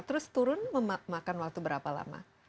terus turun memakan waktu berapa lama